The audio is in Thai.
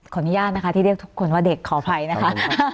ขออนุญาตนะคะที่เรียกทุกคนว่าเด็กขออภัยนะคะ